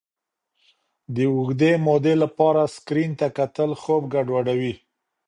د اوږدې مودې لپاره سکرین ته کتل خوب ګډوډوي.